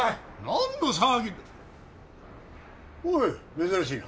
何の騒ぎだおい